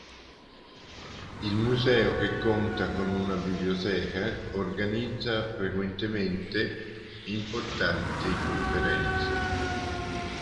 Il museo che conta con una biblioteca organizza frequentemente importanti conferenze.